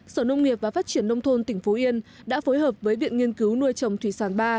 sở nông nghiệp và phát triển nông thôn tỉnh phú yên đã phối hợp với viện nghiên cứu nuôi trồng thủy sản ba